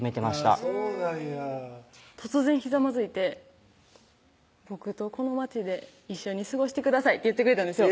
あぁそうなんや突然ひざまづいて「僕とこの町で一緒に過ごしてください」って言ってくれたんですよ